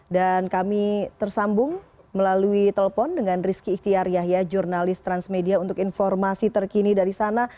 dan kami tersambung melalui telepon dengan rizky ikhtiar yahya jurnalis transmedia untuk informasi terkini dari sana